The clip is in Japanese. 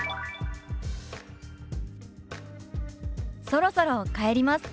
「そろそろ帰ります」。